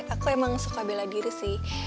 aku emang suka bela diri sih